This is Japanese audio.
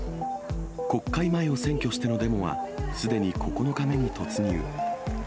国会前を占拠してのデモは、すでに９日目に突入。